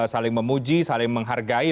saling memuji saling menghargai